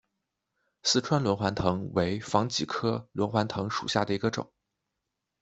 四川轮环藤为防己科轮环藤属下的一个种。